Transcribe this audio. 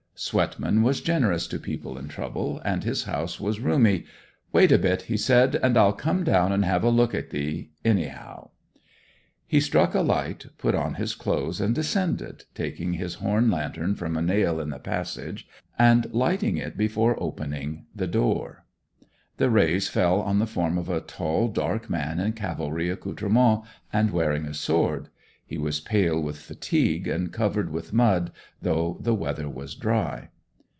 Swetman was generous to people in trouble, and his house was roomy. 'Wait a bit,' he said, 'and I'll come down and have a look at thee, anyhow.' He struck a light, put on his clothes, and descended, taking his horn lantern from a nail in the passage, and lighting it before opening the door. The rays fell on the form of a tall, dark man in cavalry accoutrements and wearing a sword. He was pale with fatigue and covered with mud, though the weather was dry.